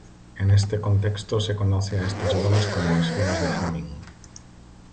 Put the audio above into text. En este contexto se conoce a estas bolas como Esferas de Hamming.